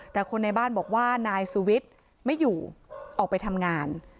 แต่คนในบ้านบอกว่านายสุวิทย์ไม่อยู่ออกไปทำงาน